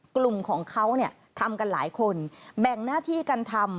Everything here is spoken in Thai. กลุ่มของเขาเนี่ยทำกันหลายคนแบ่งหน้าที่กันทำ